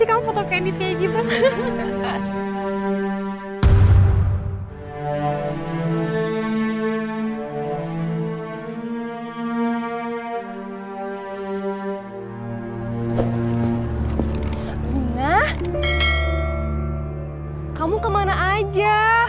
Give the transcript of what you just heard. kamu dari date selesainya aja